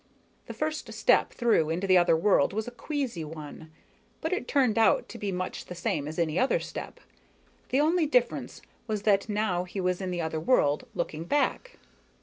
The first step through into the other world was a queasy one, but it turned out to be much the same as any other step. The only difference was that now he was in the other world looking back.